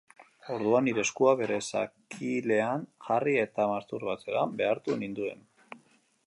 Orduan, nire eskua bere zakilean jarri eta masturbatzera behartu ninduen.